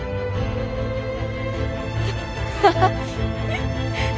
ハハハ。